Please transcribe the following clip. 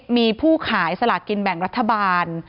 มีผู้ขายสลากินแบ่งรัฐบาล